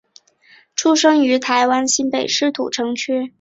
出生于台湾新北市土城区。